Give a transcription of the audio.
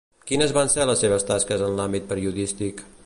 Quines van ser les seves tasques en l'àmbit periodístic?